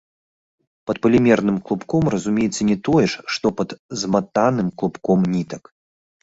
Пад палімерным клубком разумеецца не тое ж, што пад зматаным клубком нітак.